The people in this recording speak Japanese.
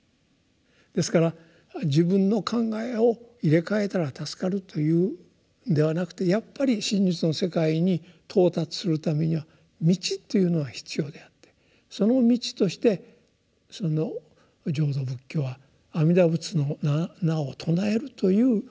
ですから自分の考えを入れ替えたら助かるというんではなくてやっぱり真実の世界に到達するためには道というのが必要であってその道として浄土仏教は阿弥陀仏の名を称えるという道を教えたわけですね。